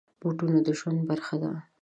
بوټونه د ژوند برخه ده.